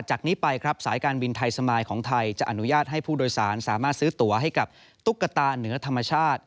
จากนี้ไปครับสายการบินไทยสมายของไทยจะอนุญาตให้ผู้โดยสารสามารถซื้อตัวให้กับตุ๊กตาเหนือธรรมชาติ